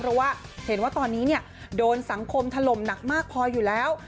เพราะว่าเห็นว่าตอนนี้โดนสังคมถล่มหนักมากพออยู่แล้ว